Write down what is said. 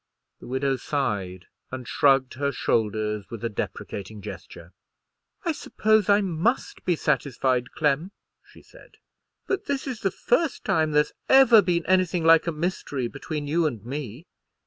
The widow sighed, and shrugged her shoulders with a deprecating gesture. "I suppose I must be satisfied, Clem," she said. "But this is the first time there's ever been anything like a mystery between you and me."